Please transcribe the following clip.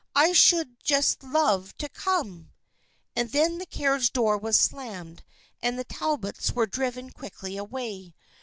" I should just love to come !" And then the carriage door was slammed and the Talbots were driven quickly away.